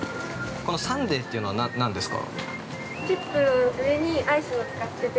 ◆このサンデーというのは何ですか。